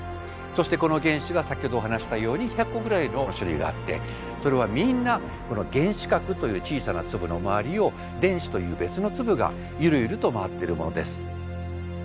そしてこの原子が先ほどお話ししたように１００個ぐらいの種類があってそれはみんなこの原子核という小さな粒の周りを電子という別の粒がゆるゆると回っているものです。